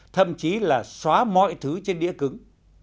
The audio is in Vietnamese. thậm chí là xóa mọi thứ trên đĩa cứng